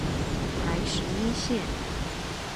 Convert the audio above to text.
台十一線